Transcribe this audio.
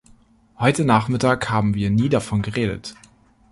Heute Nachmittag haben wir nie davon geredet.